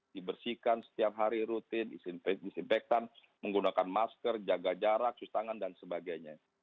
dibersihkan setiap hari rutin disinfektan menggunakan masker jaga jarak cuci tangan dan sebagainya